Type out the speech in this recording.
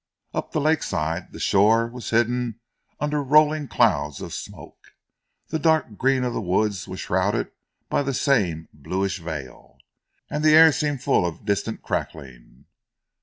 Up the lake side the shore was hidden under rolling clouds of smoke, the dark green of the woods was shrouded by the same bluish veil, and the air seemed full of distant crackling.